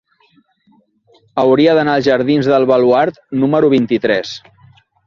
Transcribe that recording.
Hauria d'anar als jardins del Baluard número vint-i-tres.